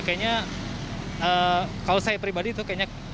kayaknya kalau saya pribadi itu kayaknya